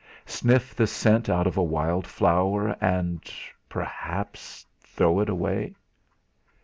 Sniff the scent out of a wild flower, and perhaps throw it away?